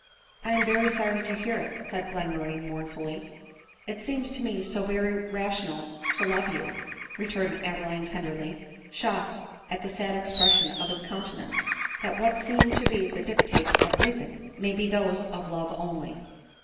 " I am very sorry to hear it," said Glenmurray mourn fully. " It seems to me so very rational to love you," re turned Adeline tenderly, shocked at the sad expression of his countenance, " that what seem to be the dictates of reason, may be those of love only."